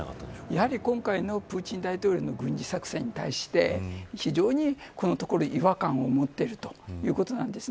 やはり今回のプーチン大統領の軍事作戦に対して非常に、このところ違和感を持っているということなんです。